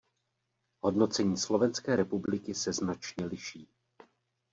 Hodnocení Slovenské republiky se značně liší.